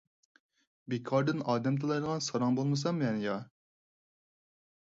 بىكاردىن ئادەم تىللايدىغان ساراڭ بولمىسام مەن-يا.